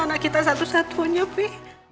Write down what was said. anak kita satu satu aja bi